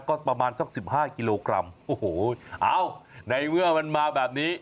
ก็ประมาณสักสิบห้ากิโลกรัมโอ้โหเอ้าในเมื่อมันมาแบบนี้